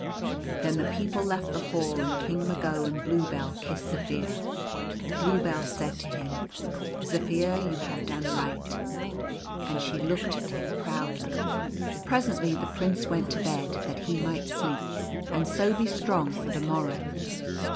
Then the people left the Hall, and King Mago and Bluebell kissed Zaphir. Bluebell said to him :" Zaphir, you have done right," and she looked at him proudly. Presently the prince went to bed, that he might sleep, and so be strong for the morrow.